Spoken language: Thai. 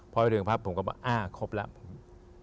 พอไปเรื่องภาพผมก็บอกอ้าวครบแล้ว